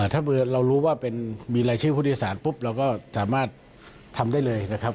ถ้าเรารู้ว่ามีรายชื่อผู้โดยสารปุ๊บเราก็สามารถทำได้เลยนะครับ